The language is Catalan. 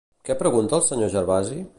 Què pregunta el senyor Gervasi?